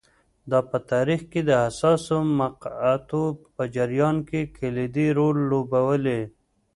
دا په تاریخ د حساسو مقطعو په جریان کې کلیدي رول لوبولی